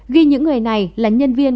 ghi những người này là nhân viên